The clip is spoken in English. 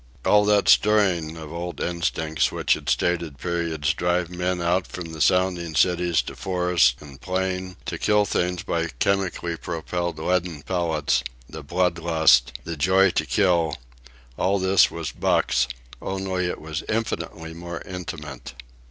All that stirring of old instincts which at stated periods drives men out from the sounding cities to forest and plain to kill things by chemically propelled leaden pellets, the blood lust, the joy to kill—all this was Buck's, only it was infinitely more intimate.